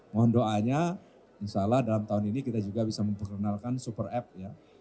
mohon doanya insya allah dalam tahun ini kita juga bisa memperkenalkan super app ya